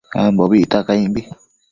Ambobi icta caimbi